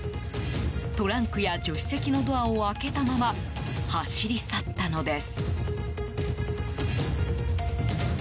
トランクや助手席のドアを開けたまま走り去ったのです。